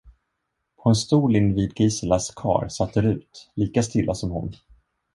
På en stol invid Giselas kar satt Rut, lika stilla som hon.